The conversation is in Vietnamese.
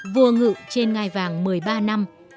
vua ngự trên ngai vàng một mươi ba năm